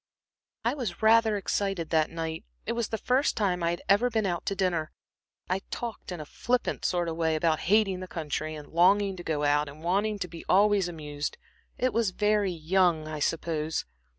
"I was rather excited that night it was the first time I had ever been out to dinner. I talked in a flippant sort of way about hating the country, and longing to go out, and wanting to be always amused. It was very young, I suppose."